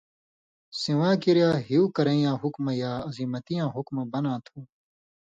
سیواں کِریا ”ہیُو کرَیں یاں حُکمہ یا عزیمتیاں حُکمہ“ بناں تُھو۔